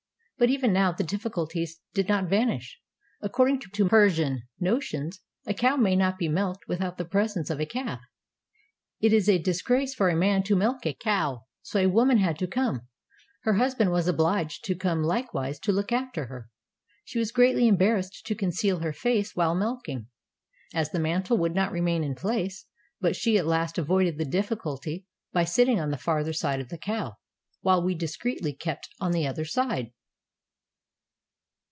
But even now the difficul ties did not vanish. According to Persian notions, a cow may not be milked without the presence of its calf; it is a disgrace for a man to milk a cow, so a woman had also to come; her husband was obliged to come Hkewise to look after her. She was greatly embar rassed to conceal her face while milking, as the mantle would not remain in place; but she at last avoided the difficulty by sitting on the farther side of the cow, while we discreetly kept on the other side!